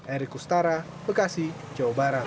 erik kustara bekasi jawa barat